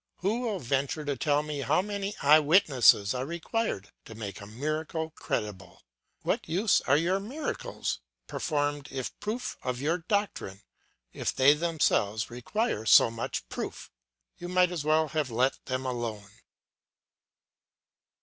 Who will venture to tell me how many eye witnesses are required to make a miracle credible! What use are your miracles, performed if proof of your doctrine, if they themselves require so much proof! You might as well have let them alone.